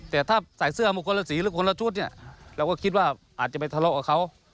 แต่ถ้าใส่เสื้อมาคนละสีหรือคนละชุดเนี่ยเราก็คิดว่าอาจจะไปทะเลาะกับเขา